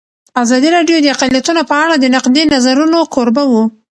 ازادي راډیو د اقلیتونه په اړه د نقدي نظرونو کوربه وه.